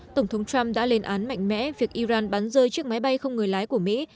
tổng thống trump đã lên án mạnh mẽ việc iran bắn rơi chiếc máy bay không người lái của mỹ